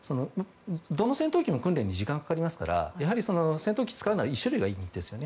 どの戦闘機も訓練に時間がかかりますからやはり戦闘機を使うなら１種類がいいんですよね。